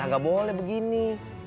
gak boleh begini